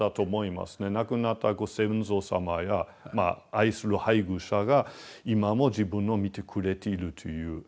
亡くなったご先祖様や愛する配偶者が今も自分を見てくれているという。